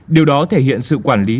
điều đó thể hiện sự quản lý